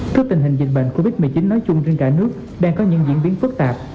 trước tình hình dịch bệnh covid một mươi chín nói chung trên cả nước đang có những diễn biến phức tạp